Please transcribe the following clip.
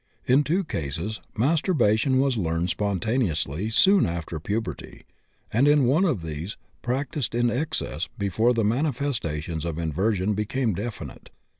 In 2 cases masturbation was learned spontaneously soon after puberty, and in 1 of these practised in excess before the manifestations of inversion became definite.